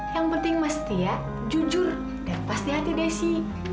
yang penting mesti jujur dan pasti hati desi